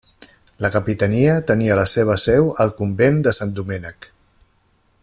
La capitania tenia la seva seu al convent de Sant Domènec.